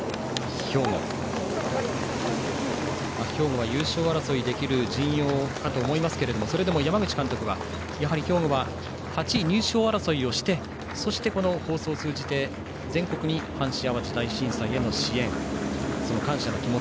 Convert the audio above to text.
兵庫は優勝争いできる陣容かと思いますがそれでも山口監督はやはり兵庫は８位入賞争いをしてこの放送を通じて全国に阪神・淡路大震災への支援その感謝の気持ち。